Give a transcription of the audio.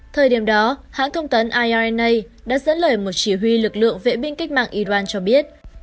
thời điểm đó hãng thông tấn iona đã dẫn lời một chỉ huy lực lượng vệ binh cách mạng iran cho biết